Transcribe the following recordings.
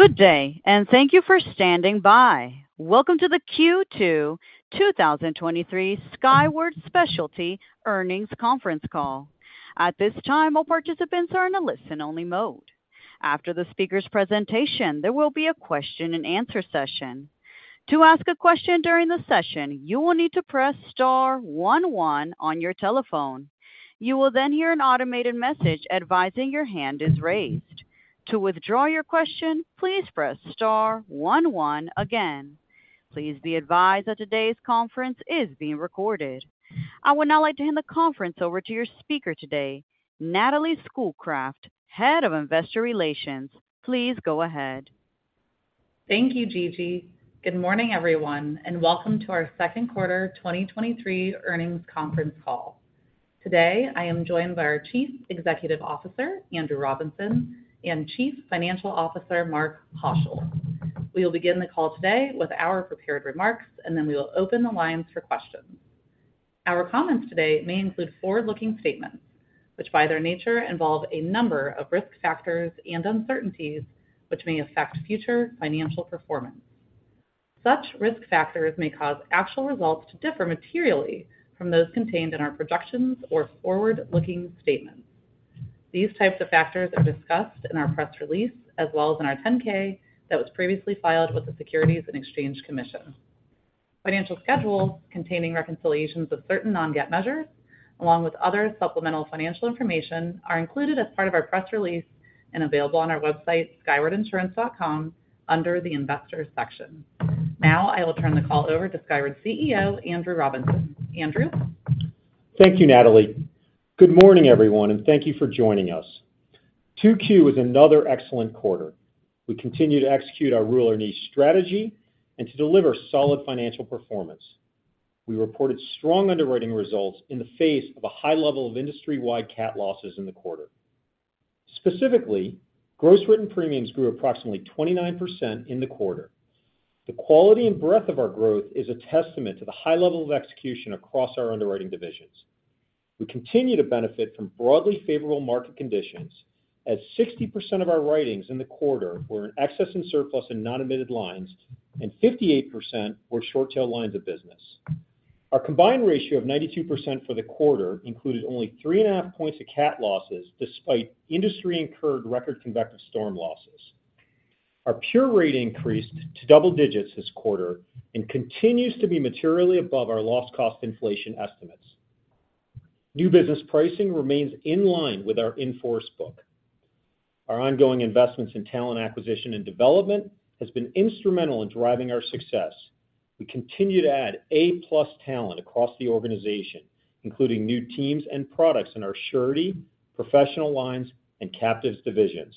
Good day, and thank you for standing by. Welcome to the Q2 2023 Skyward Specialty Earnings Conference Call. At this time, all participants are in a listen-only mode. After the speaker's presentation, there will be a question-and-answer session. To ask a question during the session, you will need to press star one one on your telephone. You will hear an automated message advising your hand is raised. To withdraw your question, please press star one one again. Please be advised that today's conference is being recorded. I would now like to hand the conference over to your speaker today, Natalie Schoolcraft, Head of Investor Relations. Please go ahead. Thank you, Gigi. Good morning, everyone, and welcome to our Second Quarter 2023 Earnings Conference Call. Today, I am joined by our Chief Executive Officer, Andrew Robinson, and Chief Financial Officer, Mark Haushild. We will begin the call today with our prepared remarks, and then we will open the lines for questions. Our comments today may include forward-looking statements, which by their nature, involve a number of risk factors and uncertainties, which may affect future financial performance. Such risk factors may cause actual results to differ materially from those contained in our projections or forward-looking statements. These types of factors are discussed in our press release, as well as in our 10-K that was previously filed with the Securities and Exchange Commission. Financial schedules containing reconciliations of certain non-GAAP measures, along with other supplemental financial information, are included as part of our press release and available on our website, skywardinsurance.com, under the Investors section. I will turn the call over to Skyward's CEO, Andrew Robinson. Andrew? Thank you, Natalie. Good morning, everyone, and thank you for joining us. Q2 was another excellent quarter. We continue to execute our Rule Our Niche strategy and to deliver solid financial performance. We reported strong underwriting results in the face of a high level of industry-wide cat losses in the quarter. Specifically, gross written premiums grew approximately 29% in the quarter. The quality and breadth of our growth is a testament to the high level of execution across our underwriting divisions. We continue to benefit from broadly favorable market conditions, as 60% of our writings in the quarter were in Excess in Surplus and non-admitted lines, and 58% were short-tail lines of business. Our combined ratio of 92% for the quarter included only three and a half points of cat losses, despite industry-incurred record convective storm losses. Our pure rate increased to double digits this quarter and continues to be materially above our loss cost inflation estimates. New business pricing remains in line with our in-force book. Our ongoing investments in talent acquisition and development has been instrumental in driving our success. We continue to add A-plus talent across the organization, including new teams and products in our Surety, Professional Lines, and Captives divisions.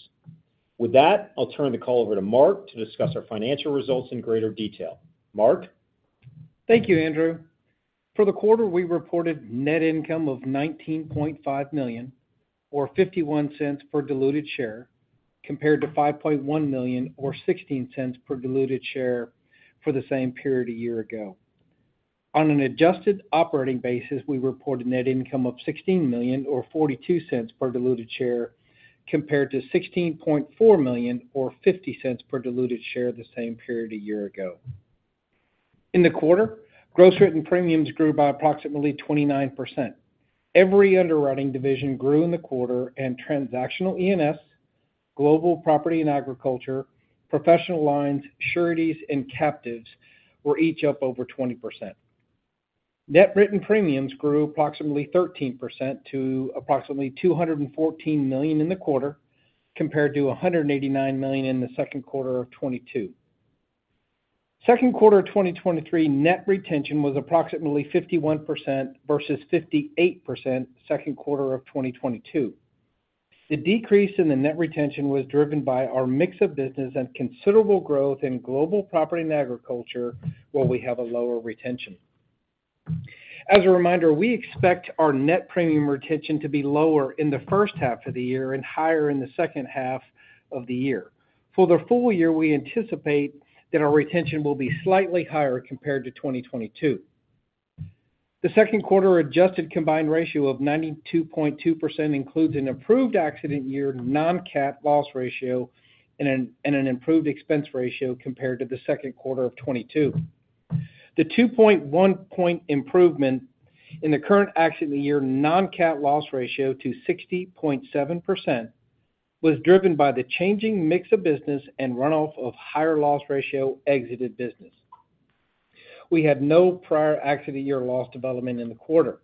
With that, I'll turn the call over to Mark to discuss our financial results in greater detail. Mark? Thank you, Andrew. For the quarter, we reported net income of $19.5 million, or $0.51 per diluted share, compared to $5.1 million, or $0.16 per diluted share, for the same period a year ago. On an adjusted operating basis, we reported net income of $16 million or $0.42 per diluted share, compared to $16.4 million or $0.50 per diluted share, the same period a year ago. In the quarter, gross written premiums grew by approximately 29%. Every underwriting division grew in the quarter. Transactional E&S, Global Property & Agriculture, Professional Lines, Sureties, and Captives were each up over 20%. Net written premiums grew approximately 13% to approximately $214 million in the quarter, compared to $189 million in the second quarter of 2022. Second quarter of 2023, net retention was approximately 51% versus 58% second quarter of 2022. The decrease in the net retention was driven by our mix of business and considerable growth in Global Property & Agriculture, where we have a lower retention. As a reminder, we expect our net premium retention to be lower in the first half of the year and higher in the second half of the year. For the full year, we anticipate that our retention will be slightly higher compared to 2022. The second quarter adjusted combined ratio of 92.2% includes an improved accident year non-cat loss ratio and an improved expense ratio compared to the second quarter of 2022. The 2.1 point improvement in the current accident year non-cat loss ratio to 60.7% was driven by the changing mix of business and runoff of higher loss ratio exited business. We had no prior accident year loss development in the quarter.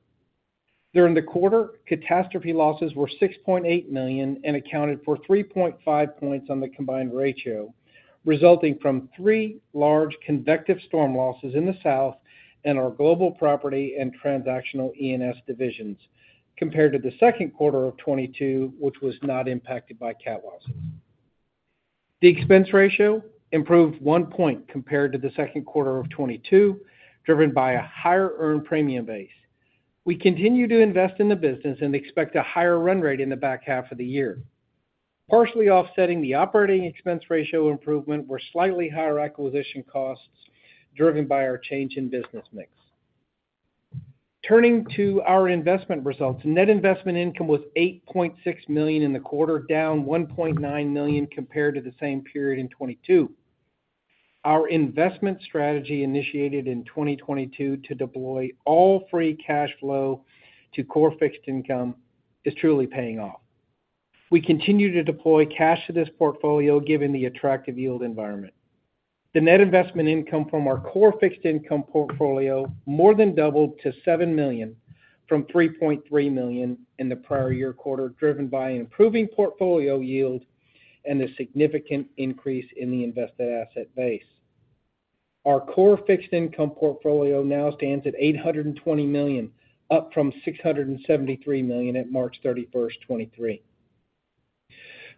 During the quarter, catastrophe losses were $6.8 million and accounted for 3.5 points on the combined ratio, resulting from three large convective storm losses in the South and our Global Property and Transactional E&S divisions, compared to the second quarter of 2022, which was not impacted by cat losses. The expense ratio improved one point compared to the second quarter of 2022, driven by a higher earned premium base. We continue to invest in the business and expect a higher run rate in the back half of the year. Partially offsetting the operating expense ratio improvement were slightly higher acquisition costs, driven by our change in business mix. Turning to our investment results. Net investment income was $8.6 million in the quarter, down $1.9 million compared to the same period in 2022. Our investment strategy, initiated in 2022 to deploy all free cash flow to core fixed income, is truly paying off. We continue to deploy cash to this portfolio, given the attractive yield environment. The net investment income from our core fixed income portfolio more than doubled to $7 million, from $3.3 million in the prior year quarter, driven by improving portfolio yield and a significant increase in the invested asset base. Our core fixed income portfolio now stands at $820 million, up from $673 million at March 31, 2023.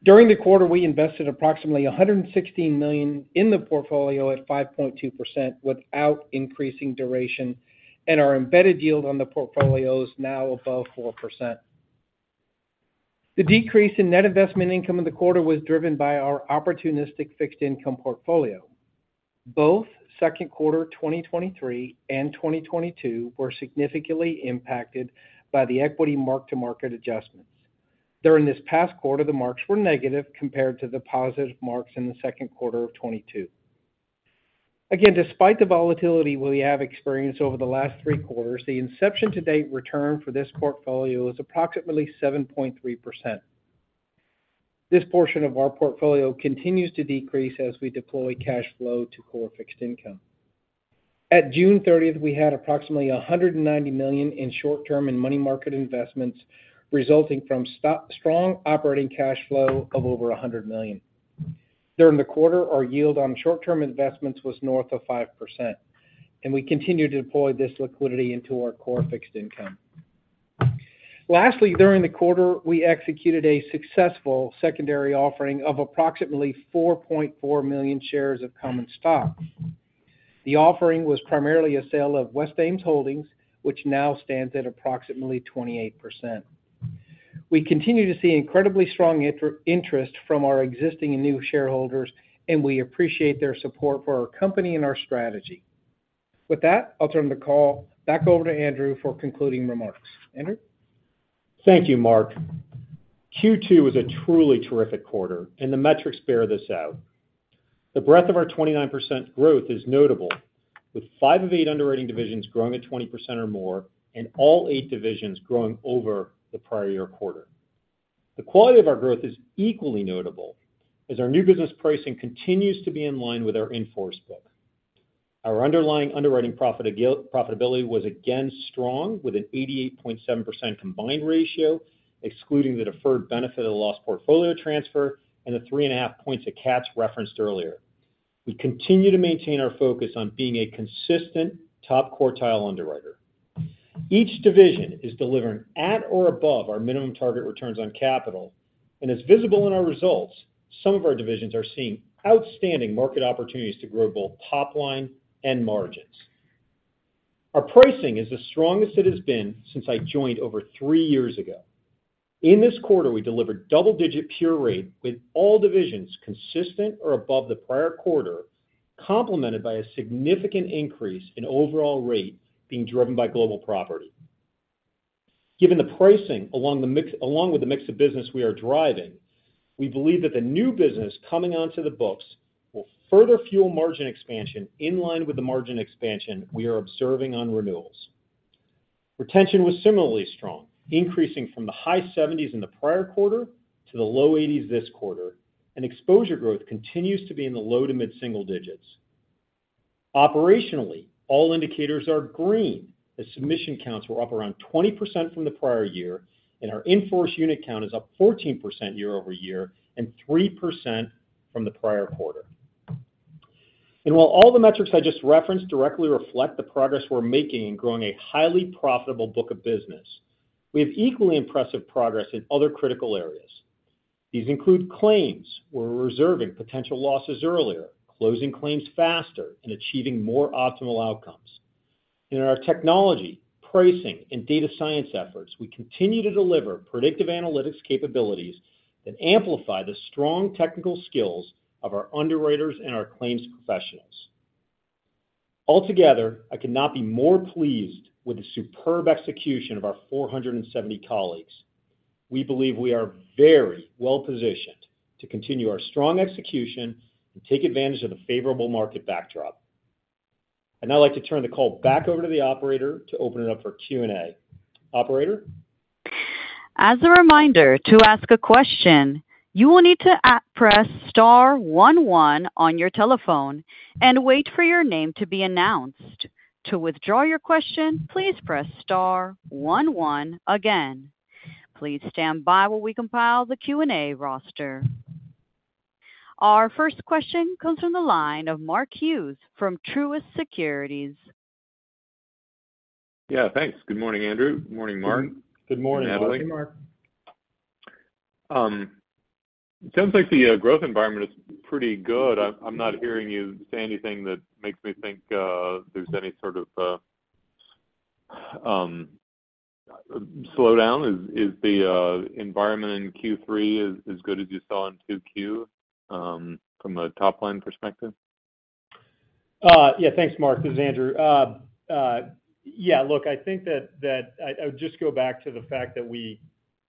During the quarter, we invested approximately $116 million in the portfolio at 5.2% without increasing duration, and our embedded yield on the portfolio is now above 4%. The decrease in net investment income in the quarter was driven by our opportunistic fixed income portfolio. Both Second Quarter 2023 and 2022 were significantly impacted by the equity mark-to-market adjustments. During this past quarter, the marks were negative compared to the positive marks in the second quarter of 2022. Despite the volatility we have experienced over the last three quarters, the inception to date return for this portfolio is approximately 7.3%. This portion of our portfolio continues to decrease as we deploy cash flow to core fixed income. At June 30th, we had approximately $190 million in short-term and money market investments, resulting from strong operating cash flow of over $100 million. During the quarter, our yield on short-term investments was north of 5%, we continue to deploy this liquidity into our core fixed income. Lastly, during the quarter, we executed a successful secondary offering of approximately 4.4 million shares of common stock. The offering was primarily a sale of West Ames Holdings, which now stands at approximately 28%. We continue to see incredibly strong interest from our existing and new shareholders, we appreciate their support for our company and our strategy. With that, I'll turn the call back over to Andrew for concluding remarks. Andrew? Thank you, Mark. Q2 was a truly terrific quarter, and the metrics bear this out. The breadth of our 29% growth is notable, with five of eight underwriting divisions growing at 20% or more and all eight divisions growing over the prior year quarter. The quality of our growth is equally notable, as our new business pricing continues to be in line with our in-force book. Our underlying underwriting profitability was again strong, with an 88.7% combined ratio, excluding the deferred benefit of the loss portfolio transfer and the 3.5 points that Kat's referenced earlier. We continue to maintain our focus on being a consistent top quartile underwriter. Each division is delivering at or above our minimum target returns on capital, and as visible in our results, some of our divisions are seeing outstanding market opportunities to grow both top line and margins. Our pricing is the strongest it has been since I joined over three years ago. In this quarter, we delivered double-digit pure rate, with all divisions consistent or above the prior quarter, complemented by a significant increase in overall rate being driven by Global Property. Given the pricing along with the mix of business we are driving, we believe that the new business coming onto the books will further fuel margin expansion in line with the margin expansion we are observing on renewals. Retention was similarly strong, increasing from the high 70s in the prior quarter to the low 80s this quarter. Exposure growth continues to be in the low to mid-single digits. Operationally, all indicators are green, as submission counts were up around 20% from the prior year. Our in-force unit count is up 14% year-over-year and 3% from the prior quarter. While all the metrics I just referenced directly reflect the progress we're making in growing a highly profitable book of business, we have equally impressive progress in other critical areas. These include claims, where we're reserving potential losses earlier, closing claims faster, and achieving more optimal outcomes. In our technology, pricing, and data science efforts, we continue to deliver predictive analytics capabilities that amplify the strong technical skills of our underwriters and our claims professionals. Altogether, I could not be more pleased with the superb execution of our 470 colleagues. We believe we are very well positioned to continue our strong execution and take advantage of the favorable market backdrop. I'd now like to turn the call back over to the operator to open it up for Q&A. Operator? As a reminder, to ask a question, you will need to press star 11 on your telephone and wait for your name to be announced. To withdraw your question, please press star 11 again. Please stand by while we compile the Q&A roster. Our first question comes from the line of Mark Hughes from Truist Securities. Yeah, thanks. Good morning, Andrew. Good morning, Mark. Good morning, Mark. Natalie. It sounds like the growth environment is pretty good. I'm not hearing you say anything that makes me think there's any sort of slowdown. Is, is the environment in Q3 as good as you saw in 2Q from a top-line perspective? Yeah, thanks, Mark. This is Andrew. Yeah, look, I think that, that I, I would just go back to the fact that we,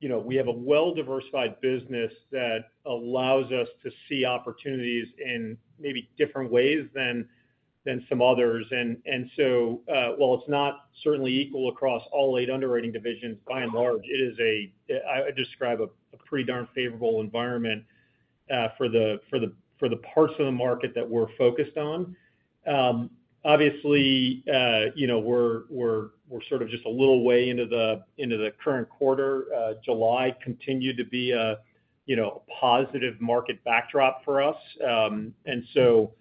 you know, we have a well-diversified business that allows us to see opportunities in maybe different ways than, than some others. So, while it's not certainly equal across all eight underwriting divisions, by and large, it is a, I, I describe a, a pretty darn favorable environment for the, for the, for the parts of the market that we're focused on. Obviously, you know, we're, we're, we're sort of just a little way into the, into the current quarter. July continued to be a, you know, a positive market backdrop for us. So,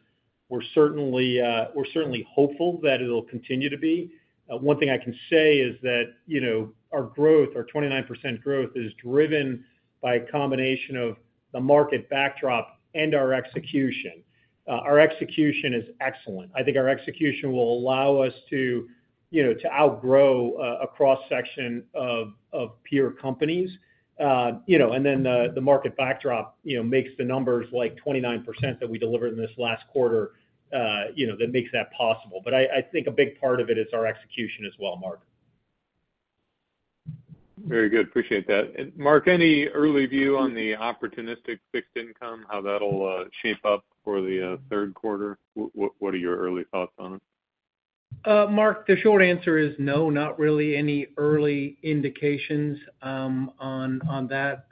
we're certainly, we're certainly hopeful that it'll continue to be. One thing I can say is that, you know, our growth, our 29% growth, is driven by a combination of the market backdrop and our execution. Our execution is excellent. I think our execution will allow us to, you know, to outgrow a, a cross-section of, of peer companies. You know, and then, the market backdrop, you know, makes the numbers like 29% that we delivered in this last quarter, you know, that makes that possible. I, I think a big part of it is our execution as well, Mark. Very good. Appreciate that. Mark, any early view on the opportunistic fixed income, how that'll shape up for the third quarter? What, what are your early thoughts on it? Mark, the short answer is no, not really any early indications, on that.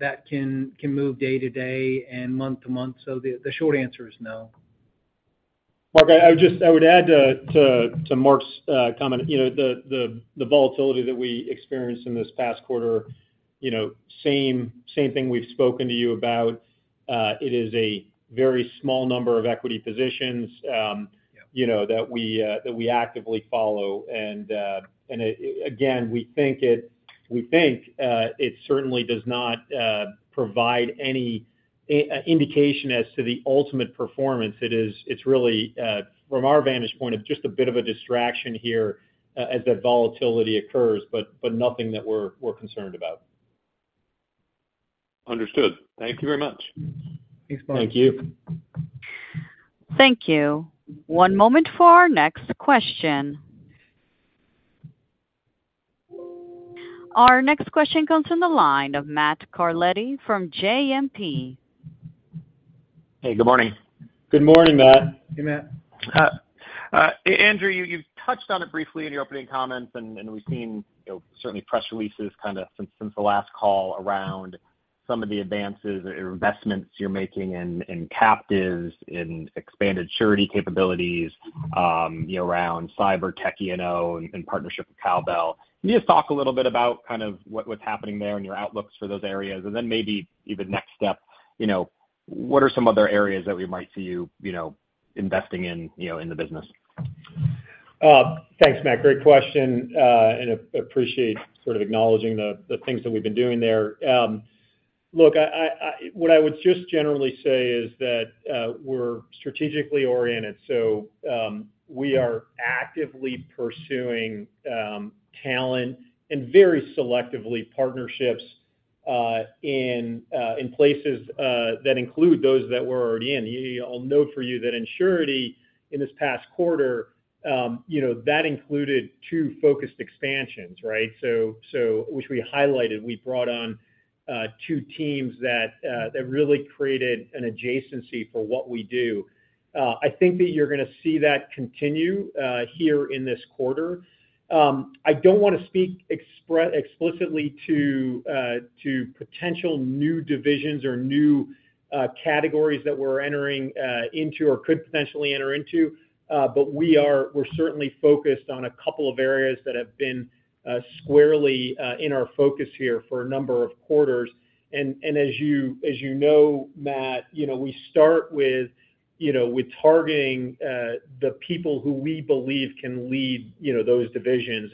That can move day to day and month to month. The short answer is no. Mark, I would add to Mark's comment. You know, the volatility that we experienced in this past quarter, you know, same thing we've spoken to you about. It is a very small number of equity positions, you know, that we actively follow. Again, we think it certainly does not provide any indication as to the ultimate performance. It's really, from our vantage point, of just a bit of a distraction here as that volatility occurs, but nothing that we're concerned about. Understood. Thank you very much. Thanks, Mark. Thank you. Thank you. One moment for our next question. Our next question comes from the line of Matt Carletti from JMP. Hey, good morning. Good morning, Matt. Hey, Matt. Andrew, you, you've touched on it briefly in your opening comments, and, and we've seen, you know, certainly press releases kind of since, since the last call around some of the advances or investments you're making in, in captives, in expanded surety capabilities, you know, around cyber tech NO and, and partnership with Cowbell. Can you just talk a little bit about kind of what, what's happening there and your outlooks for those areas? Maybe even next step, you know, what are some other areas that we might see you, you know, investing in, you know, in the business? Thanks, Matt. Great question, and appreciate sort of acknowledging the, the things that we've been doing there. Look, I, what I would just generally say is that we're strategically oriented, so we are actively pursuing talent and very selectively partnerships in places that include those that we're already in. I'll note for you that in Surety, in this past quarter, you know, that included two focused expansions, right? So, so which we highlighted. We brought on two teams that really created an adjacency for what we do. I think that you're gonna see that continue here in this quarter. I don't want to speak explicitly to potential new divisions or new categories that we're entering into or could potentially enter into. We're certainly focused on a couple of areas that have been squarely in our focus here for a number of quarters. As you, as you know, Matt, you know, we start with, you know, with targeting the people who we believe can lead, you know, those divisions.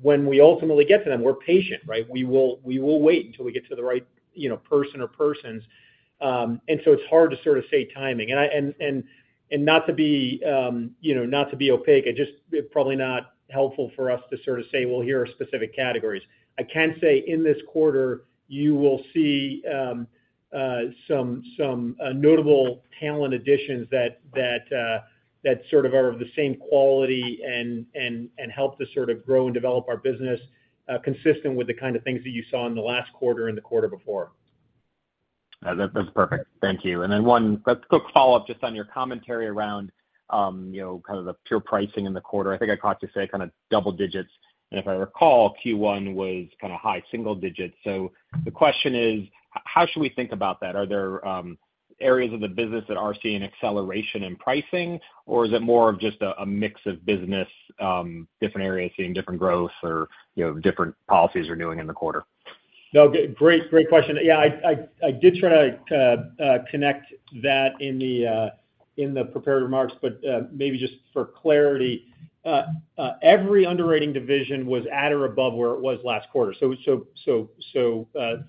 When we ultimately get to them, we're patient, right? We will wait until we get to the right, you know, person or persons. It's hard to sort of say timing. I, and, and, and not to be, you know, not to be opaque, I just- it's probably not helpful for us to sort of say, "Well, here are specific categories." I can say, in this quarter, you will see some, some, notable talent additions that, that, that sort of are of the same quality and, and, and help to sort of grow and develop our business, consistent with the kind of things that you saw in the last quarter and the quarter before. That, that's perfect. Thank you. One quick follow-up, just on your commentary around, you know, kind of the pure pricing in the quarter. I think I caught you say kind of double digits, and if I recall, Q1 was kind of high single digits. The question is: How should we think about that? Are there areas of the business that are seeing an acceleration in pricing, or is it more of just a, a mix of business, different areas seeing different growth or, you know, different policies renewing in the quarter? No, great, great question. Yeah, I, I, I did try to connect that in the prepared remarks. Maybe just for clarity, every underwriting division was at or above where it was last quarter.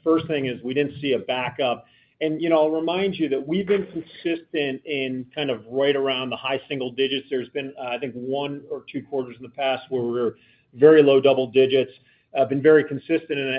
First thing is we didn't see a backup. You know, I'll remind you that we've been consistent in kind of right around the high single digits. There's been, I think, one or two quarters in the past where we were very low double digits. Been very consistent in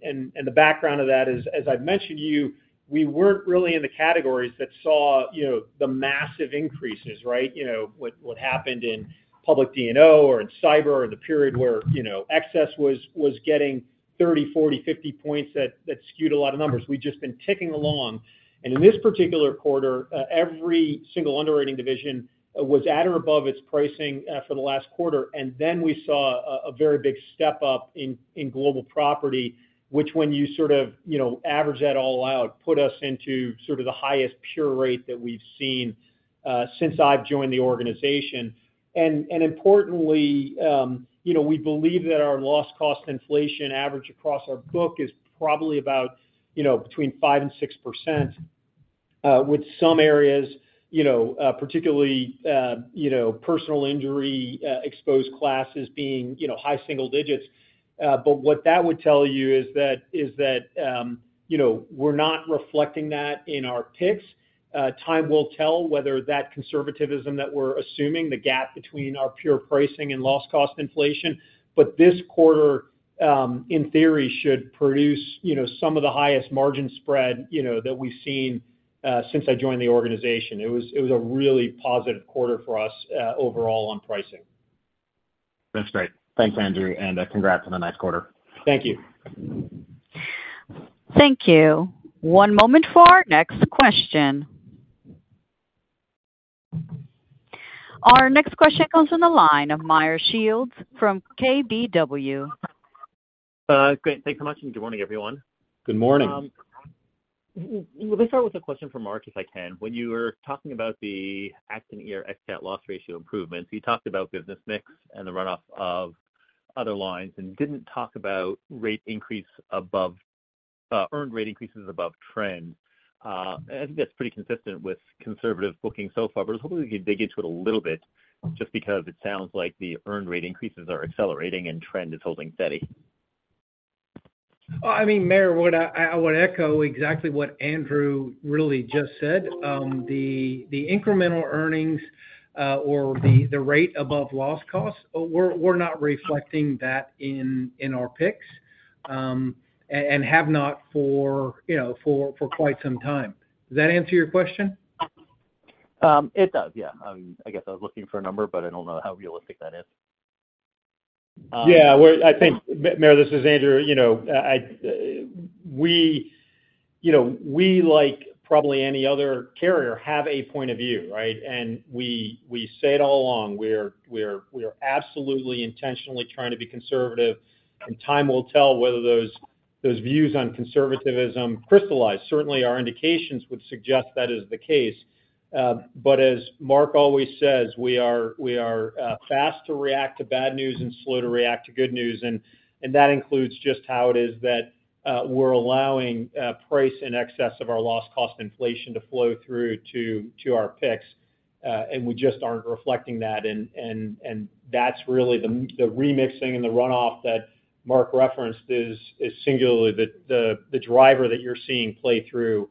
it, and the background of that is, as I've mentioned to you, we weren't really in the categories that saw, you know, the massive increases, right? You know, what happened in public D&O or in cyber or the period where, you know, excess was getting 30, 40, 50 points that skewed a lot of numbers. We've just been ticking along. In this particular quarter, every single underwriting division was at or above its pricing for the last quarter. Then we saw a very big step up in Global Property, which when you sort of, you know, average that all out, put us into sort of the highest pure rate that we've seen since I've joined the organization. Importantly, you know, we believe that our loss cost inflation average across our book is probably about, you know, between 5% and 6%, with some areas, you know, particularly, you know, personal injury, exposed classes being, you know, high single digits. What that would tell you is that, is that, you know, we're not reflecting that in our picks. Time will tell whether that conservativism that we're assuming, the gap between our pure pricing and loss cost inflation, but this quarter, in theory, should produce, you know, some of the highest margin spread, you know, that we've seen, since I joined the organization. It was, it was a really positive quarter for us, overall on pricing. That's great. Thanks, Andrew, and congrats on a nice quarter. Thank you. Thank you. One moment for our next question. Our next question comes on the line of Meyer Shields from KBW. Great. Thanks so much. Good morning, everyone. Good morning. Let me start with a question for Mark, if I can. When you were talking about the accident year non-cat loss ratio improvements, you talked about business mix and the runoff of other lines, and didn't talk about rate increase above earned rate increases above trend. I think that's pretty consistent with conservative booking so far, but I was hoping you could dig into it a little bit just because it sounds like the earned rate increases are accelerating and trend is holding steady. I mean, Meyer, what I, I would echo exactly what Andrew really just said. The, the incremental earnings, or the, the rate above loss costs, we're, we're not reflecting that in, in our picks, and have not for, you know, for, for quite some time. Does that answer your question? It does, yeah. I guess I was looking for a number, but I don't know how realistic that is. Yeah, well, I think, Meyer, this is Andrew. You know, we, like probably any other carrier, have a point of view, right? We, we say it all along, we're, we're, we are absolutely intentionally trying to be conservative, and time will tell whether those, those views on conservativism crystallize. Certainly, our indications would suggest that is the case. But as Mark always says, we are, we are fast to react to bad news and slow to react to good news, and that includes just how it is that we're allowing price in excess of our loss cost inflation to flow through to our picks. We just aren't reflecting that, and that's really the remixing and the runoff that Mark referenced is singularly the driver that you're seeing play through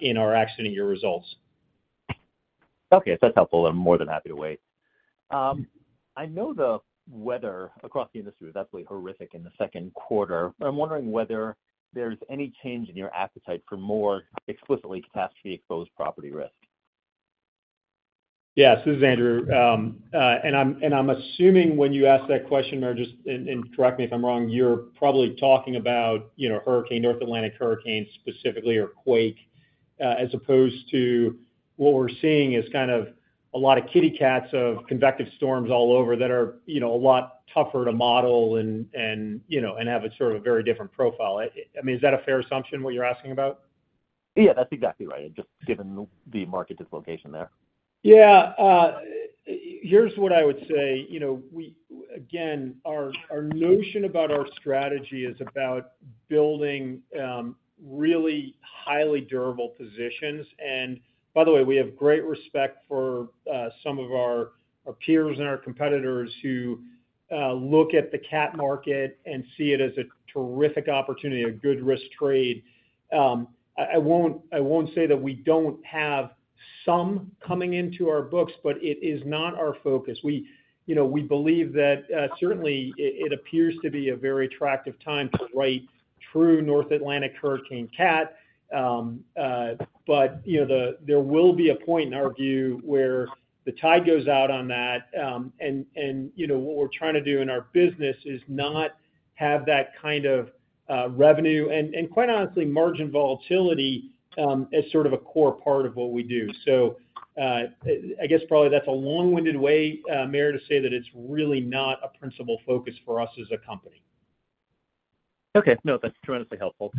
in our accident year results. Okay. That's helpful. I'm more than happy to wait. I know the weather across the industry was absolutely horrific in the second quarter, but I'm wondering whether there's any change in your appetite for more explicitly catastrophe-exposed property risk? Yes, this is Andrew. I'm assuming when you ask that question, or just, and correct me if I'm wrong, you're probably talking about, you know, hurricane, North Atlantic hurricanes specifically, or quake, as opposed to what we're seeing is kind of a lot of kitty cats of convective storms all over that are, you know, a lot tougher to model and, you know, and have a sort of a very different profile. I mean, is that a fair assumption, what you're asking about? Yeah, that's exactly right. Just given the market dislocation there. Yeah, here's what I would say. You know, again, our, our notion about our strategy is about building really highly durable positions. By the way, we have great respect for some of our, our peers and our competitors who look at the cat market and see it as a terrific opportunity, a good risk trade. I, I won't, I won't say that we don't have some coming into our books, but it is not our focus. We, you know, we believe that, certainly, it, it appears to be a very attractive time to write true North Atlantic hurricane cat. You know, there will be a point in our view where the tide goes out on that, and, and, you know, what we're trying to do in our business is not have that kind of revenue, and, and quite honestly, margin volatility, as sort of a core part of what we do. I, I guess probably that's a long-winded way, Meyer, to say that it's really not a principal focus for us as a company. Okay. No, that's tremendously helpful.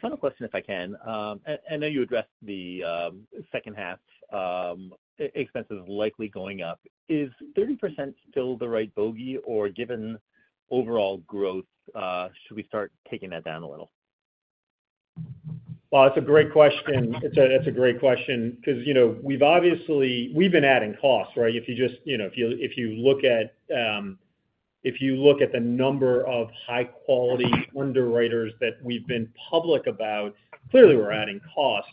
Final question, if I can. I know you addressed the second half expenses likely going up. Is 30% still the right bogey, or given overall growth, should we start taking that down a little? Well, that's a great question. It's a, it's a great question because, you know, we've obviously, we've been adding costs, right? If you just, you know, if you, if you look at, if you look at the number of high-quality underwriters that we've been public about, clearly we're adding costs.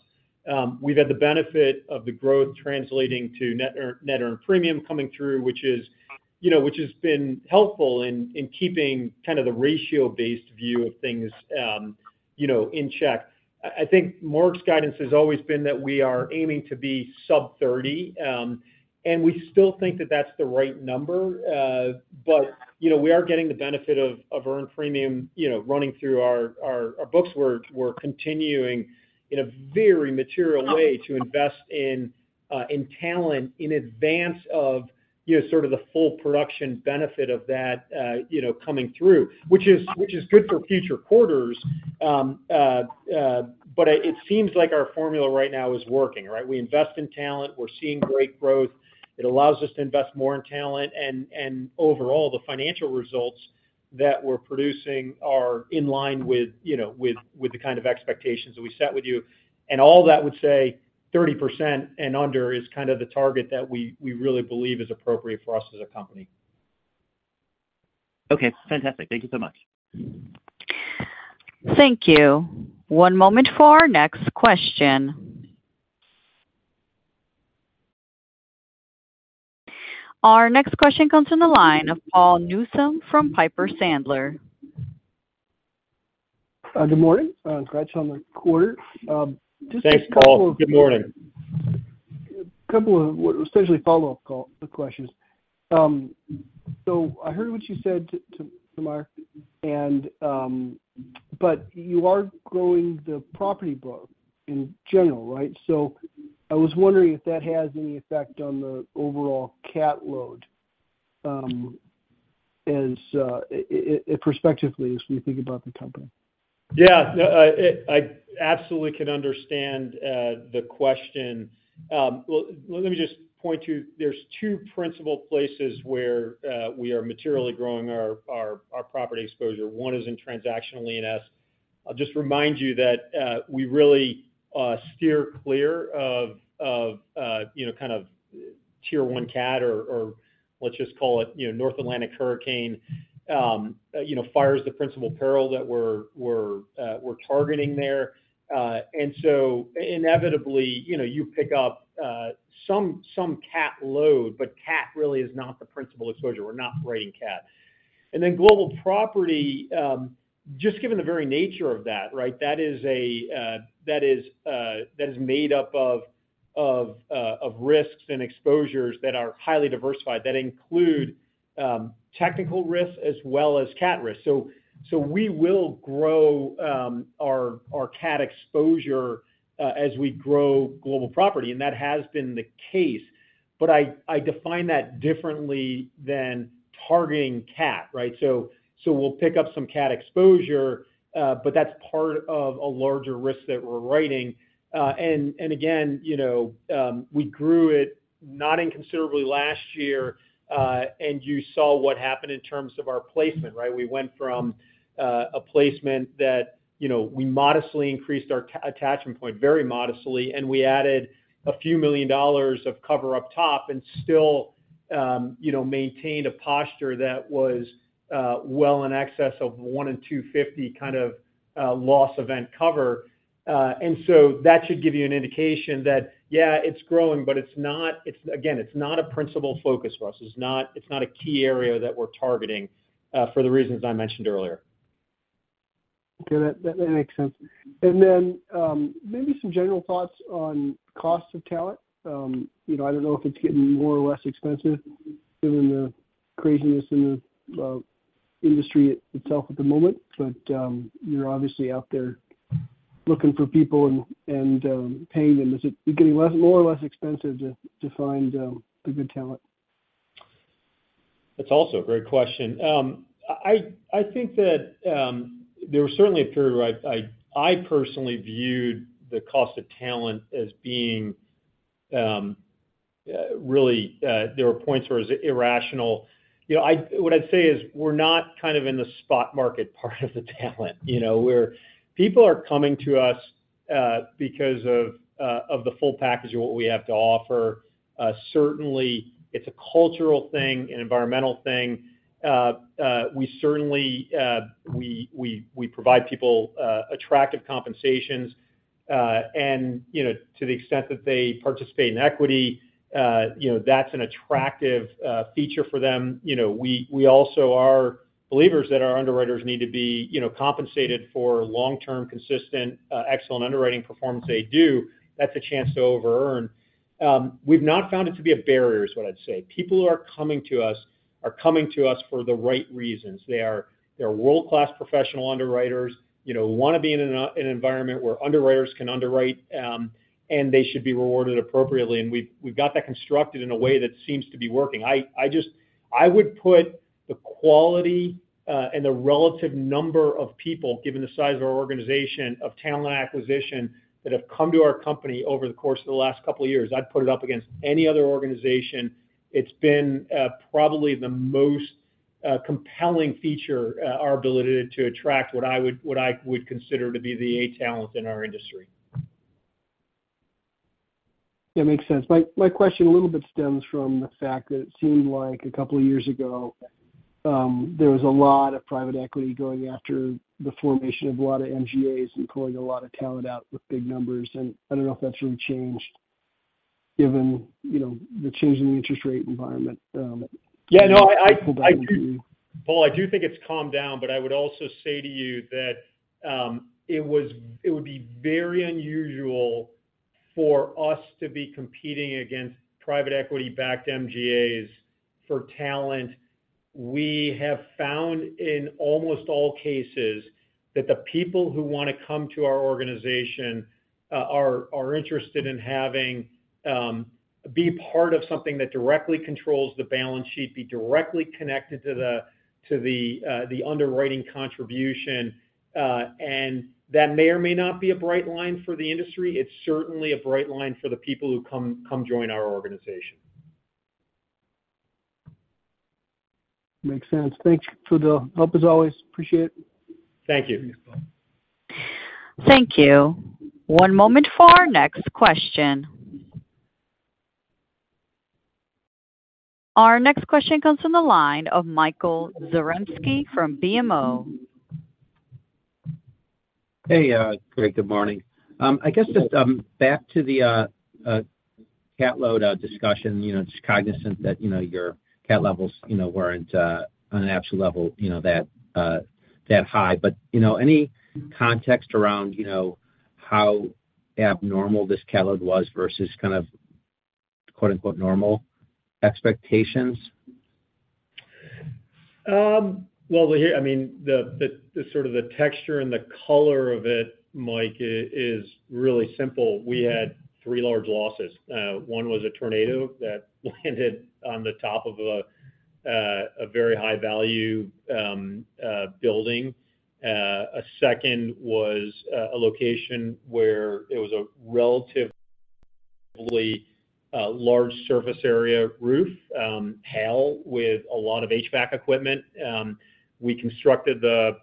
We've had the benefit of the growth translating to net earned premium coming through, which is, you know, which has been helpful in, in keeping kind of the ratio-based view of things, you know, in check. I, I think Mark's guidance has always been that we are aiming to be sub-30, and we still think that that's the right number. You know, we are getting the benefit of, of earned premium, you know, running through our, our, our books. We're, we're continuing in a very material way to invest in talent in advance of, you know, sort of the full production benefit of that, you know, coming through. Which is, which is good for future quarters. It seems like our formula right now is working, right? We invest in talent, we're seeing great growth. It allows us to invest more in talent, and, and overall, the financial results that we're producing are in line with, you know, with, with the kind of expectations that we set with you. All that would say 30% and under is kind of the target that we, we really believe is appropriate for us as a company. Okay, fantastic. Thank you so much. Thank you. One moment for our next question. Our next question comes from the line of Paul Newsome from Piper Sandler. Good morning. Congrats on the quarter. Thanks, Paul. Good morning. A couple of, well, essentially follow-up call, questions. I heard what you said to, to, to Mark, and you are growing the property book in general, right? I was wondering if that has any effect on the overall cat load, as and prospectively, as we think about the company. Yeah, no, I, I, I absolutely can understand the question. Well, let me just point to. There's two principal places where we are materially growing our, our, our property exposure. One is in Transactional E&S. I'll just remind you that we really steer clear of, of, you know, kind of tier one cat or, or let's just call it, you know, North Atlantic hurricane. You know, fire is the principal peril that we're, we're, we're targeting there. And so inevitably, you know, you pick up some, some cat load, but cat really is not the principal exposure. We're not writing cat. Then Global Property, just given the very nature of that, right, that is a, that is, that is made up of, of, of risks and exposures that are highly diversified, that include, technical risks as well as cat risks. We will grow, our, our cat exposure, as we grow Global Property, and that has been the case. I, I define that differently than targeting cat, right? We'll pick up some cat exposure, but that's part of a larger risk that we're writing. Again, you know, we grew it not inconsiderably last year, and you saw what happened in terms of our placement, right? We went from a placement that, you know, we modestly increased our attachment point, very modestly, and we added a few million dollars of cover up top and still, you know, maintained a posture that was well in excess of one and 250 kind of loss event cover. So that should give you an indication that, yeah, it's growing, but it's, again, it's not a principal focus for us. It's not, it's not a key area that we're targeting for the reasons I mentioned earlier. Okay, that, that makes sense. Then, maybe some general thoughts on cost of talent. You know, I don't know if it's getting more or less expensive given the craziness in the industry itself at the moment, but you're obviously out there looking for people and, and, paying them. Is it getting less, more or less expensive to, to find the good talent? That's also a great question. I, I think that there was certainly a period where I, I, I personally viewed the cost of talent as being really, there were points where it was irrational. You know, what I'd say is we're not kind of in the spot market part of the talent. You know, people are coming to us because of the full package of what we have to offer. Certainly it's a cultural thing, an environmental thing. We certainly, we, we, we provide people attractive compensations, and, you know, to the extent that they participate in equity, you know, that's an attractive feature for them. You know, we, we also are believers that our underwriters need to be, you know, compensated for long-term, consistent, excellent underwriting performance they do. That's a chance to over-earn. We've not found it to be a barrier, is what I'd say. People who are coming to us, are coming to us for the right reasons. They are, they're world-class professional underwriters, you know, who want to be in an environment where underwriters can underwrite, and they should be rewarded appropriately. We've, we've got that constructed in a way that seems to be working. I, I just I would put the quality, and the relative number of people, given the size of our organization, of talent acquisition, that have come to our company over the course of the last couple of years, I'd put it up against any other organization. It's been, probably the most a compelling feature, our ability to attract what I would, what I would consider to be the A talent in our industry. That makes sense. My, my question a little bit stems from the fact that it seemed like two years ago, there was a lot of private equity going after the formation of a lot of MGAs and pulling a lot of talent out with big numbers, and I don't know if that's really changed, given, you know, the change in the interest rate environment? Yeah, no, I. pull back into. Paul, I do think it's calmed down, but I would also say to you that it would be very unusual for us to be competing against private equity-backed MGAs for talent. We have found in almost all cases, that the people who wanna come to our organization, are, are interested in having, be part of something that directly controls the balance sheet, be directly connected to the, to the, the underwriting contribution. That may or may not be a bright line for the industry. It's certainly a bright line for the people who come, come join our organization. Makes sense. Thanks for the help, as always. Appreciate it. Thank you. Thank you. One moment for our next question. Our next question comes from the line of Michael Zaremski from BMO. Hey, Greg, good morning. I guess just back to the cat load discussion, you know, just cognizant that, you know, your cat levels, you know, weren't on an absolute level, you know, that high. You know, any context around, you know, how abnormal this cat load was versus kind of quote, unquote, "normal expectations? Well, here, I mean, the sort of the texture and the color of it, Mike, is, is really simple. We had 3 large losses. One was a tornado that landed on the top of a very high-value building. A second was a location where it was a relatively large surface area roof, hail with a lot of HVAC equipment. We constructed the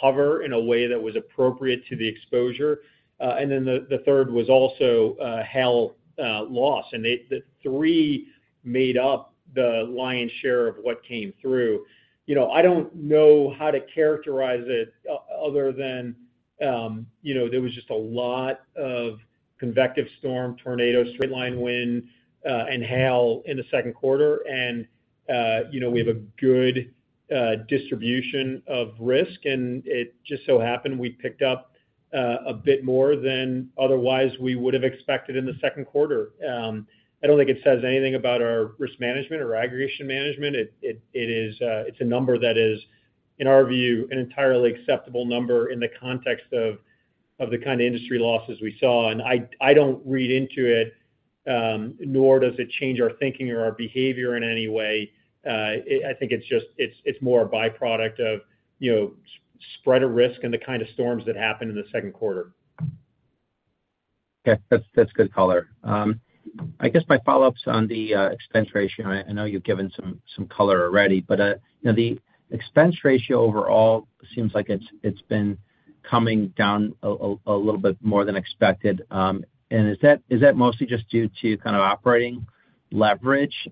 cover in a way that was appropriate to the exposure. Then the third was also a hail loss, and the three made up the lion's share of what came through. You know, I don't know how to characterize it, other than, you know, there was just a lot of convective storm, tornado, straight-line wind, and hail in the second quarter. You know, we have a good distribution of risk, and it just so happened we picked up a bit more than otherwise we would have expected in the second quarter. I don't think it says anything about our risk management or aggregation management. It, it, it is, it's a number that is, in our view, an entirely acceptable number in the context of, of the kind of industry losses we saw. I, I don't read into it, nor does it change our thinking or our behavior in any way. I think it's just, it's, it's more a byproduct of, you know, spread of risk and the kind of storms that happened in the second quarter. Okay. That's, that's good color. I guess my follow-up's on the expense ratio. I, I know you've given some, some color already, but, you know, the expense ratio overall seems like it's, it's been coming down a little bit more than expected. Is that, is that mostly just due to kind of operating leverage?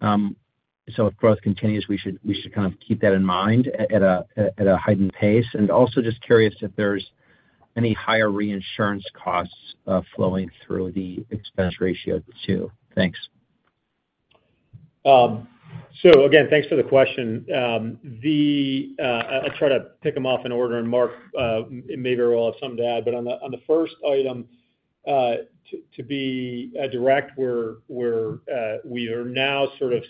So if growth continues, we should, we should kind of keep that in mind at a, at a heightened pace. Also just curious if there's any higher reinsurance costs, flowing through the expense ratio, too? Thanks. Again, thanks for the question. I'll try to pick them off in order, and Mark, maybe will have something to add. On the, on the first item, to, to be, direct, we're, we're, we are now sort of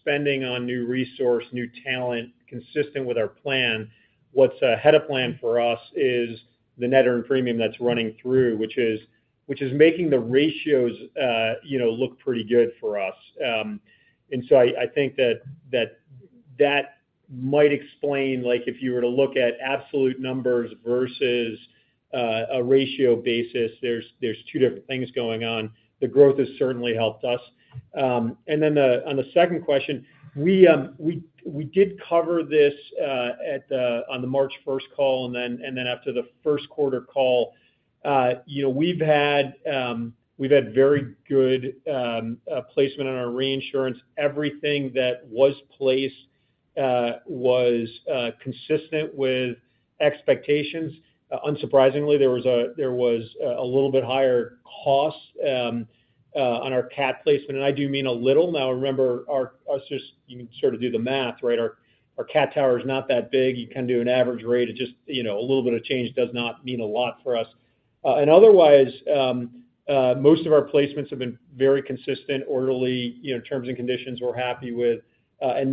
spending on new resource, new talent, consistent with our plan. What's ahead of plan for us is the net earned premium that's running through, which is, which is making the ratios, you know, look pretty good for us. I, I think that, that, that might explain, like, if you were to look at absolute numbers versus, a ratio basis, there's, there's two different things going on. The growth has certainly helped us. On the second question, we, we did cover this on the March 1st call, and then after the 1st quarter call. You know, we've had very good placement on our reinsurance. Everything that was placed was consistent with expectations. Unsurprisingly, there was a little bit higher cost on our cat placement, and I do mean a little. Remember, our, you can sort of do the math, right? Our cat tower is not that big. You can do an average rate. It just, you know, a little bit of change does not mean a lot for us. Most of our placements have been very consistent, orderly, you know, terms and conditions we're happy with. That's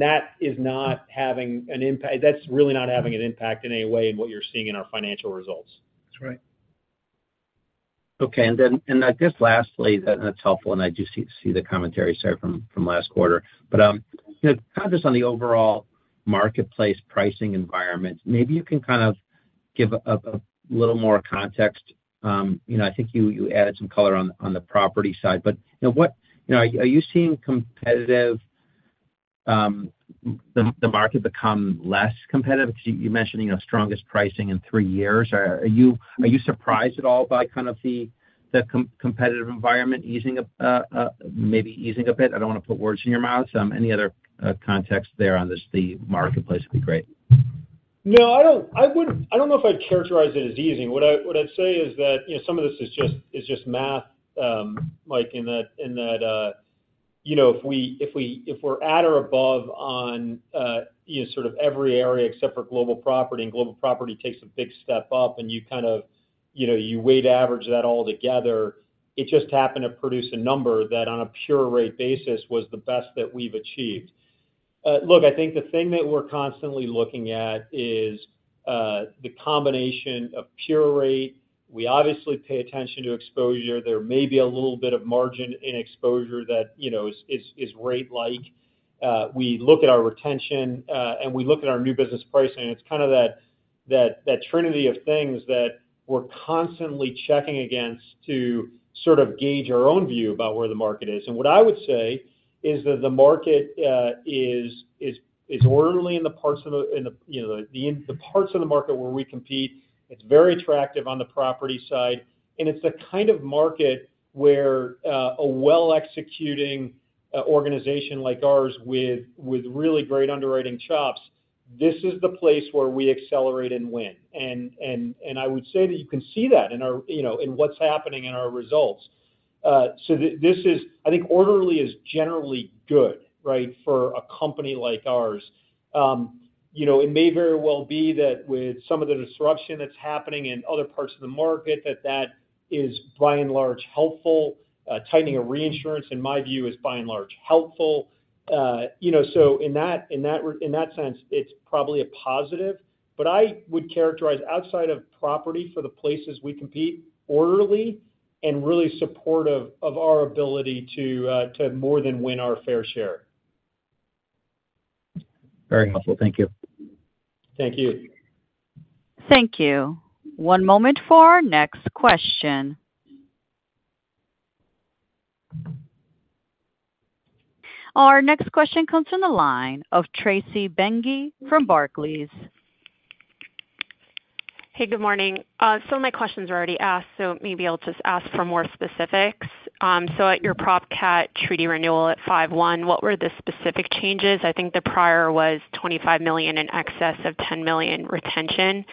really not having an impact in any way in what you're seeing in our financial results. That's right. Okay. I just lastly, that's helpful, and I do see, see the commentary from last quarter. You know, kind of just on the overall marketplace pricing environment, maybe you can give a little more context. You know, I think you, you added some color on, on the property side, but, you know, you know, are, are you seeing competitive the market become less competitive? Because you, you're mentioning the strongest pricing in three years. Are, are you, are you surprised at all by kind of the competitive environment easing up, maybe easing a bit? I don't want to put words in your mouth. Any other context there on this, the marketplace would be great. No, I don't- I wouldn't- I don't know if I'd characterize it as easing. What I, what I'd say is that, you know, some of this is just, it's just math. like, in that, in that, you know, if we, if we, if we're at or above on, you know, sort of every area except for Global Property, and Global Property takes a big step up, and you kind of, you know, you weight average that all together. It just happened to produce a number that on a pure rate basis, was the best that we've achieved. Look, I think the thing that we're constantly looking at is, the combination of pure rate. We obviously pay attention to exposure. There may be a little bit of margin in exposure that, you know, is, is, is rate-like. We look at our retention, and we look at our new business pricing, and it's kind of that, that, that trinity of things that we're constantly checking against to sort of gauge our own view about where the market is. What I would say is that the market is, is, is orderly in the parts of the, in the, you know, the parts of the market where we compete. It's very attractive on the property side, and it's the kind of market where a well-executing organization like ours with, with really great underwriting chops, this is the place where we accelerate and win. I would say that you can see that in our, you know, in what's happening in our results. This is. I think orderly is generally good, right? For a company like ours. You know, it may very well be that with some of the disruption that's happening in other parts of the market, that, that is, by and large, helpful. Tightening of reinsurance, in my view, is by and large, helpful. You know, so in that, in that sense, it's probably a positive, but I would characterize, outside of property for the places we compete, orderly and really supportive of our ability to, to more than win our fair share. Very helpful. Thank you. Thank you. Thank you. One moment for our next question. Our next question comes from the line of Tracy Benguigui from Barclays. Hey, good morning. Some of my questions were already asked, maybe I'll just ask for more specifics. At your prop cat treaty renewal at 5/1, what were the specific changes? I think the prior was $25 million in excess of $10 million retention.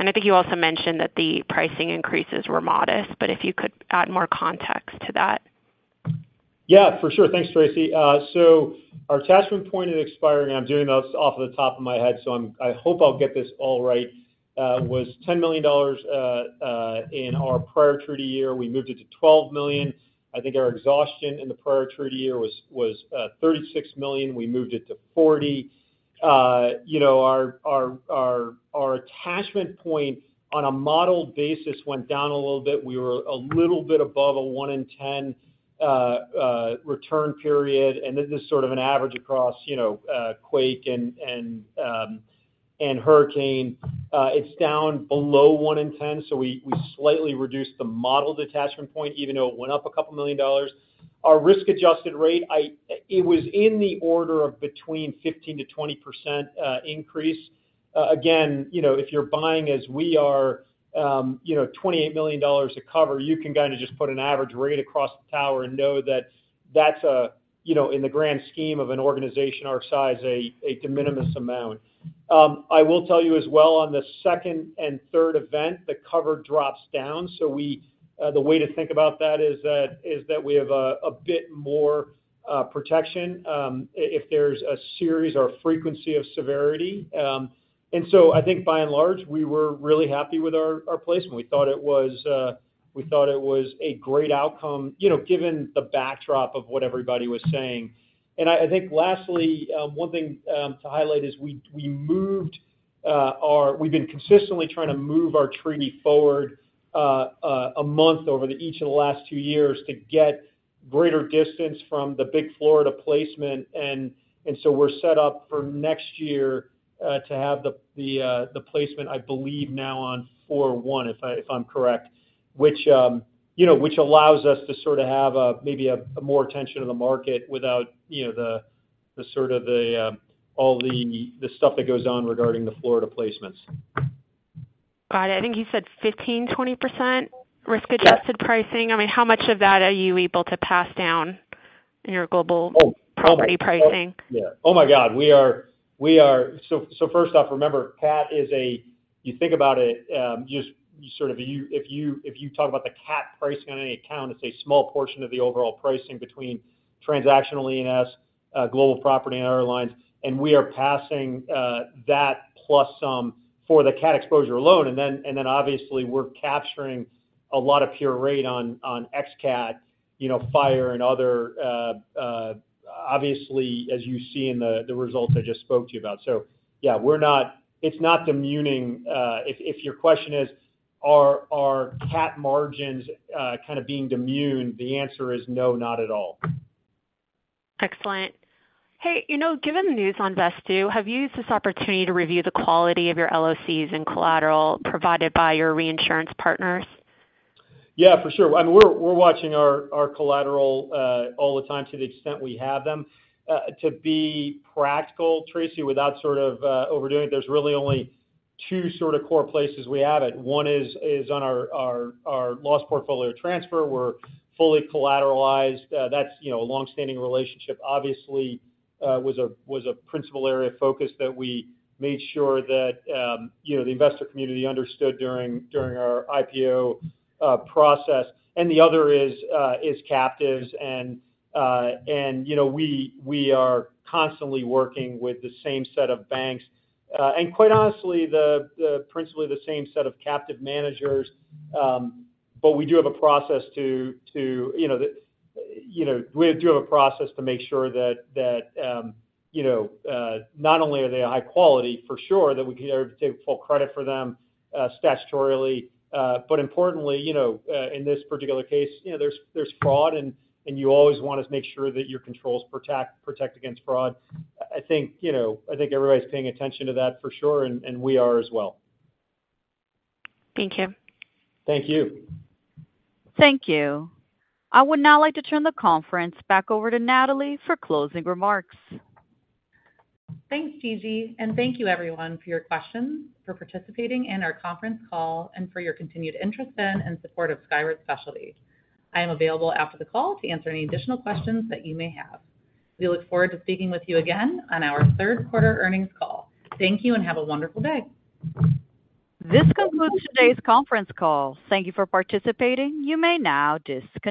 I think you also mentioned that the pricing increases were modest, if you could add more context to that. Yeah, for sure. Thanks, Tracy. Our attachment point at expiring, I'm doing this off of the top of my head, so I hope I'll get this all right, was $10 million in our prior treaty year. We moved it to $12 million. I think our exhaustion in the prior treaty year was, was $36 million. We moved it to $40 million. You know, our, our, our, our attachment point on a modeled basis went down a little bit. We were a little bit above a one in 10 return period, and this is sort of an average across, you know, quake and, and hurricane. It's down below one in 10, so we, we slightly reduced the modeled attachment point, even though it went up a couple million dollars. Our risk-adjusted rate, it was in the order of between 15%-20% increase. Again, you know, if you're buying as we are, you know, $28 million of cover, you can kind of just put an average rate across the tower and know that that's a, you know, in the grand scheme of an organization our size, a de minimis amount. I will tell you as well, on the second and third event, the cover drops down. We, the way to think about that is that, is that we have a bit more protection, if there's a series or a frequency of severity. I think by and large, we were really happy with our, our placement. We thought it was, we thought it was a great outcome, you know, given the backdrop of what everybody was saying. I, I think lastly, one thing to highlight is we, we moved, we've been consistently trying to move our treaty forward, a month over the each of the last two years to get greater distance from the big Florida placement. We're set up for next year to have the, the, the placement, I believe now on 4/1, if I, if I'm correct. You know, which allows us to sort of have a, maybe a, a more attention to the market without, you know, the, the sort of the, all the, the stuff that goes on regarding the Florida placements. Got it. I think you said 15%-20% risk-adjusted pricing? Yeah. I mean, how much of that are you able to pass down in your global- Oh! property pricing? Yeah. Oh, my God, we are, we are... First off, remember, cat is a, you think about it, just sort of you, if you, if you talk about the cat pricing on any account, it's a small portion of the overall pricing between Transactional E&S, Global Property and other lines. We are passing that plus some for the cat exposure alone. Then, and then obviously, we're capturing a lot of pure rate on Xcat, you know, fire and other, obviously, as you see in the results I just spoke to you about. Yeah, we're not-- it's not diminishing. If your question is, are cat margins kind of being diminished? The answer is no, not at all. Excellent. Hey, you know, given the news on Vesttoo, have you used this opportunity to review the quality of your LOCs and collateral provided by your reinsurance partners? Yeah, for sure. I mean, we're, we're watching our, our collateral all the time to the extent we have them. To be practical, Tracy, without sort of overdoing it, there's really only two sort of core places we have it. One is, is on our, our, our loss portfolio transfer. We're fully collateralized. That's, you know, a long-standing relationship. Obviously, was a, was a principal area of focus that we made sure that, you know, the investor community understood during, during our IPO process. The other is, is captives, and, and, you know, we, we are constantly working with the same set of banks, and quite honestly, the, the principally the same set of captive managers. We do have a process to, you know, you know, we do have a process to make sure that, you know, not only are they high quality, for sure, that we can take full credit for them, statutorily, but importantly, you know, in this particular case, you know, there's, there's fraud and, and you always want to make sure that your controls protect, protect against fraud. I think, you know, I think everybody's paying attention to that for sure, and, and we are as well. Thank you. Thank you. Thank you. I would now like to turn the conference back over to Natalie for closing remarks. Thanks, Gigi, and thank you everyone for your questions, for participating in our conference call, and for your continued interest in and support of Skyward Specialty. I am available after the call to answer any additional questions that you may have. We look forward to speaking with you again on our third quarter earnings call. Thank you and have a wonderful day. This concludes today's conference call. Thank you for participating. You may now disconnect.